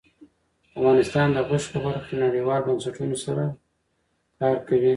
افغانستان د غوښې په برخه کې نړیوالو بنسټونو سره کار کوي.